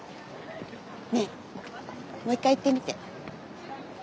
ねえもう一回言ってみて。